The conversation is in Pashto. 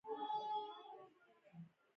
مصنوعي ځیرکتیا د اقتصادي جوړښتونو بڼه اړوي.